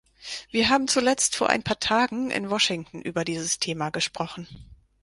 Wir haben zuletzt vor ein paar Tagen in Washington über dieses Thema gesprochen.